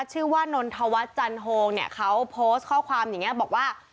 ชื่อว่านนทวัฒน์จันโฮงเนี่ยเขาโพสต์ข้อความอย่างนี้บอกว่า